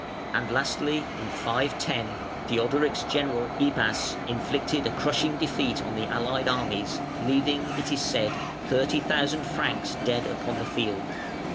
And lastly, in 510, Theodoric's general, Ibbas, inflicted a crushing defeat on the allied armies, leaving, it is said, thirty thousand Franks dead upon the field.